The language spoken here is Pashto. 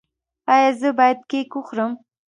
ایا زه باید کیک وخورم؟